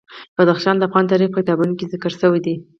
بدخشان د افغان تاریخ په کتابونو کې ذکر شوی دي.